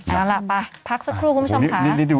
นั้นล่ะไปพักสักครู่คุณผู้ชมค่ะโอ้โฮนี่นี่นี่